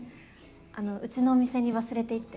あのうちのお店に忘れていって。